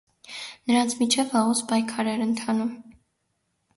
Նրանց միջև վաղուց պայքար էր ընթանում։